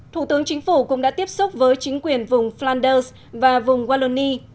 thủ tướng chính phủ cũng đã tiếp xúc với chính quyền vùng flanders và vùng walloni